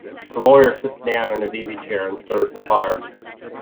The lawyer sits down in his easy-chair and stirs the fire.